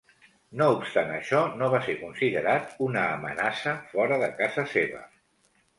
No obstant això, no va ser considerat una amenaça fora de casa seva.